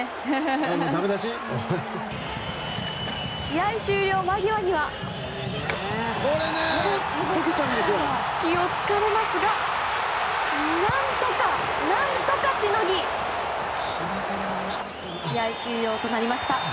試合終了間際には隙を突かれますが何とかしのぎ試合終了となりました。